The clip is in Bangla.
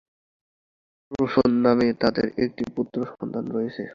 রোশন নামে তাঁদের একটি পুত্রসন্তান রয়েছে।